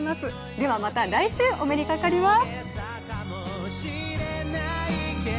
では、また来週お目にかかります。